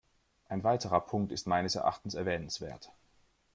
Ein weiterer Punkt ist meines Erachtens erwähnenswert.